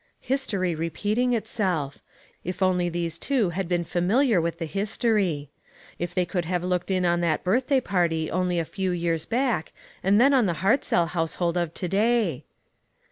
History repeating itself. If only these two had been familiar with the history. If they could have looked in on that birthday party only a few years back and then on the Hartzell household of to day